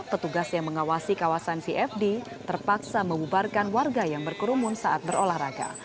petugas yang mengawasi kawasan cfd terpaksa membubarkan warga yang berkerumun saat berolahraga